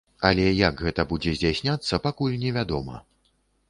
Але як гэта будзе здзяйсняцца, пакуль невядома.